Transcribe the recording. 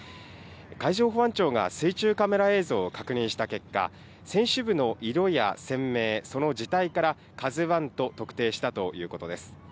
海上保安庁が水中カメラ映像を確認した結果、船首部の色や船名、その字体から、カズワンと特定したということです。